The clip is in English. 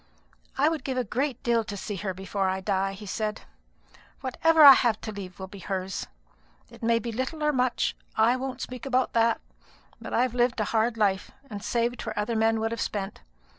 "I would give a great deal to see her before I die," he said. "Whatever I have to leave will be hers. It may be little or much I won't speak about that; but I've lived a hard life, and saved where other men would have spent.